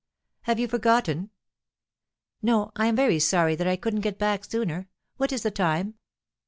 "Have you forgotten?" "No. I am very sorry that I couldn't get back sooner. What is the time?"